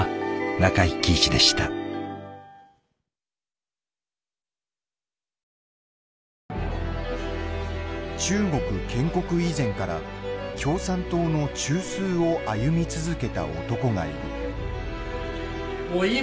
中国建国以前から共産党の中枢を歩み続けた男がいる。